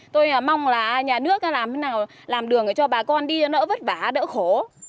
tôi mong là nhà nước làm thế nào làm đường cho bà con đi nó vất vả đỡ khổ